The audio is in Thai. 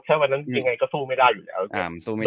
แค่วันนั้นยังไงก็สู้ไม่ได้อยู่แล้ว